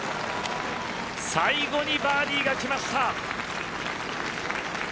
最後にバーディーが来ました。